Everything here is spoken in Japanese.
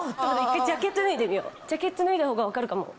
ジャケット脱いだほうが分かるかも。